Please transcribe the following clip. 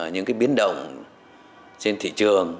những biến động trên thị trường